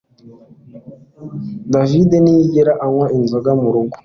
David ntiyigera anywa inzoga murugo